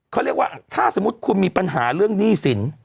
เขาเรียกว่าถ้าสมมุติคุณมีปัญหาเรื่องหนี้สิน